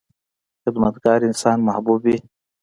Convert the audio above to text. • خدمتګار انسان محبوب وي.